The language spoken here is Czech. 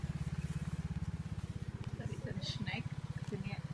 Jsem si jist, že odvede vynikající práci.